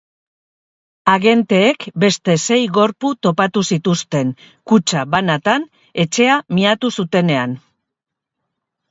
Agenteek beste sei gorpu topatu zituzten, kutxa banatan, etxea miatu zutenean.